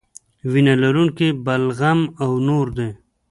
وینه لرونکي بلغم او نور دي.